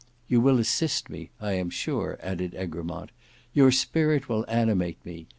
You will assist me, I am sure," added Egremont; "your spirit will animate me.